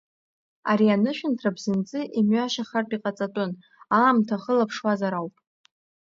Ари анышәынҭра бзанҵы имҩашьахартә иҟаҵатәын, аамҭа ахылаԥшуазар ауп.